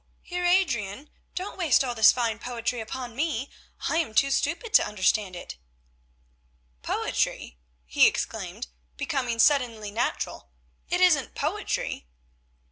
Heer Adrian, don't waste all this fine poetry upon me. I am too stupid to understand it." "Poetry!" he exclaimed, becoming suddenly natural, "it isn't poetry."